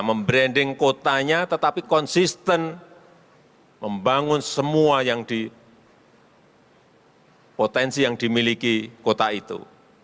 membranding kotanya tetapi konsisten membangun semua yang di potensi yang dimiliki kota itu